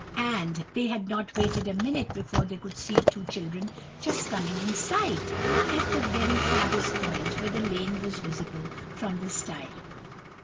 And they had not waited a minute before they could see two children just coming in sight, at the very farthest point where the lane was visible from the stile.